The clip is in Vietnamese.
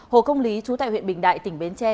hồ công lý chú tại huyện bình đại tỉnh bến tre